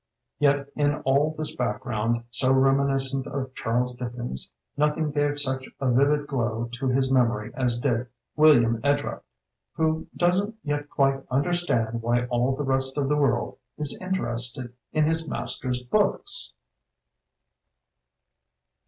Yet in all this background, so reminiscent of Charles Dickens, noth ing gave such a vivid glow to his mem ory as did William Edrupt — ^who doesn't yet quite understand why all the rest of the world is interested in bis master's books!